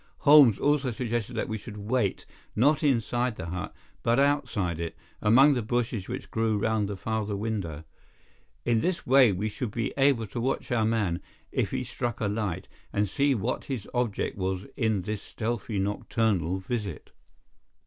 Holmes also suggested that we should wait, not inside the hut, but outside it, among the bushes which grew round the farther window. In this way we should be able to watch our man if he struck a light, and see what his object was in this stealthy nocturnal visit.